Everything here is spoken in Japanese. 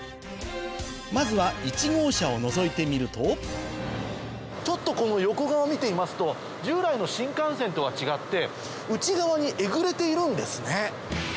まずは１号車をのぞいてみるとちょっとこの横顔見てみますと従来の新幹線とは違って内側にえぐれているんですね。